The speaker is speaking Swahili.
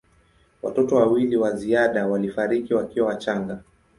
Watoto wawili wa ziada walifariki wakiwa wachanga.